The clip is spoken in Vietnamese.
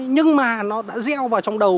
nhưng mà nó đã reo vào trong đầu